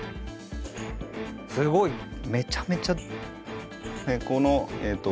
すごい。めちゃめちゃ。